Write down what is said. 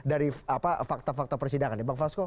apa fakta fakta persidangan pak fasko